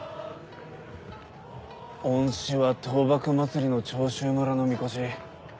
おんしは討幕祭りの長州村のみこし。